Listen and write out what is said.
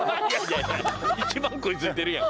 一番食いついてるやん。